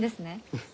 うん。